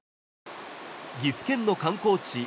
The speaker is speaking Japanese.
岐阜県の観光地